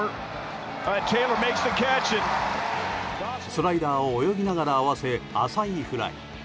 スライダーを泳ぎながら合わせ浅いフライ。